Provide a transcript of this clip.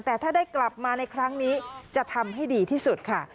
แต่ถ้าได้กลับมาในครั้งนี้จะทำให้ดีที่สุดค่ะ